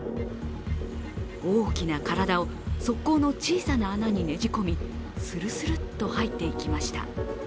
大きな体を側溝の小さな穴にねじ込みスルスルッと入っていきました。